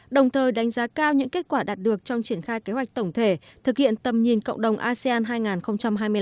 đồng thời đánh giá cao những kết quả đạt được trong triển khai kế hoạch tổng thể thực hiện tầm nhìn cộng đồng asean hai nghìn hai mươi năm